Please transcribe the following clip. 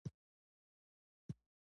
ژوند دوران اغېزې شتمني زیاتوي.